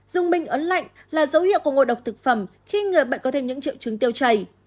dùng bình ấn lạnh là dấu hiệu của ngộ độc thực phẩm khi người bệnh có thêm những triệu chứng tiêu chày